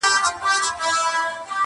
• په کښتۍ کي وه سپاره یو شمېر وګړي -